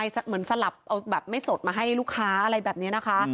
เหมือนสลับเอาแบบไม่สดมาให้ลูกค้าอะไรแบบนี้นะคะ